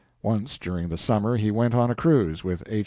Once during the summer he went on a cruise with H.